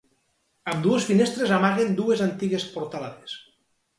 Ambdues finestres amaguen dues antigues portalades.